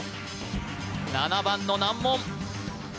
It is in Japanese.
７番の難問